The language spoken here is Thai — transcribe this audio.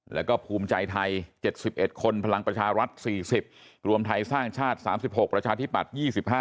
แล้วก็ภูมิใจไทย๗๑คนพลังประชารัฐ๔๐รวมไทยสร้างชาติ๓๖ประชาธิปัตย์๒๕